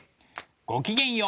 ごきげんよう！